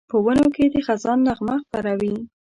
په ونو کې د خزان نغمه خپره وي